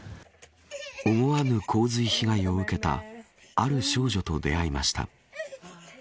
思わぬ洪水被害を受けたある少女と出会いました。